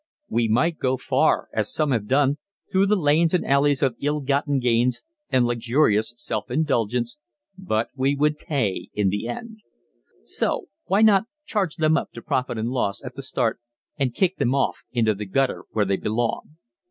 We might go far, as some have done, through the lanes and alleys of ill gotten gains and luxurious self indulgence, but we would pay in the end. So, why not charge them up to "profit and loss" at the start and kick them off into the gutter where they belong?